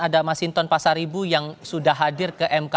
ada mas hinton pasaribu yang sudah hadir ke mk